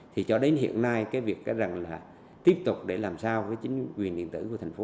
thì cho đến hiện nay việc tiếp tục làm sao với chính quyền điện tử của thành phố